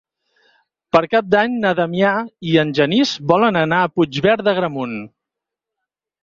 Per Cap d'Any na Damià i en Genís volen anar a Puigverd d'Agramunt.